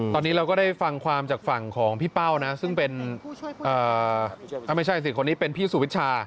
ตอนนี้เราก็ได้ฟังความจากฝั่งของพี่เป้านะซึ่งเป็นไม่ใช่สิคนนี้เป็นพี่สุวิชา